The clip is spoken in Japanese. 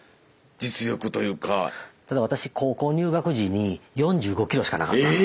ただ私高校入学時に４５ｋｇしかなかったんです。